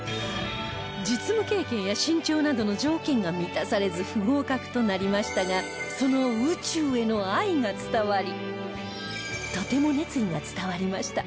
実務経験や身長などの条件が満たされず不合格となりましたがその宇宙への愛が伝わり「とても熱意が伝わりました。